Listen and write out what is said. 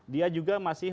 dia juga masih